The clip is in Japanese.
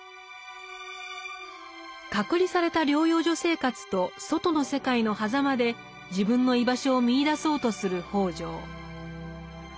「隔離された療養所生活」と「外の世界」のはざまで自分の居場所を見いだそうとする北條。